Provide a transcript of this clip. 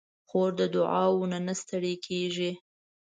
خور د دعاوو نه ستړې کېږي.